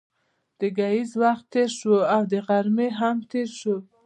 د ګهیځ وخت تېر شو او د غرمې هم تېر شو.